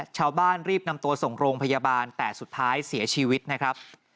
ชาวบ้านรีบนำตัวส่งโรงพยาบาลแต่สุดท้ายเสียชีวิตนะครับ